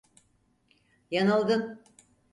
Yanıldın.